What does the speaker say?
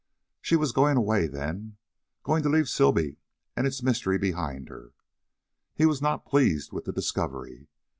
She was going away, then going to leave Sibley and its mystery behind her! He was not pleased with the discovery.